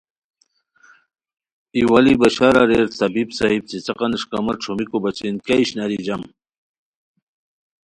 ایوالی بشار اریر طبیب صاحب څیڅیقان اݰکامہ ݯھومیکو بچین کیہ اشناری جم